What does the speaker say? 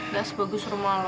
gak sebagus rumah lo